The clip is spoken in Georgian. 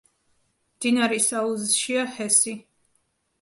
მდინარის აუზშია ჰესი.